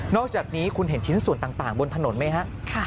อกจากนี้คุณเห็นชิ้นส่วนต่างบนถนนไหมฮะ